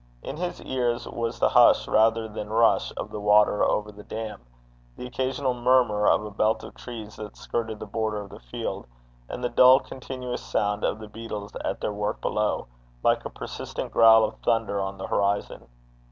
In his ears was the hush rather than rush of the water over the dam, the occasional murmur of a belt of trees that skirted the border of the field, and the dull continuous sound of the beatles at their work below, like a persistent growl of thunder on the horizon.